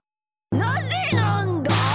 なぜなんだ！？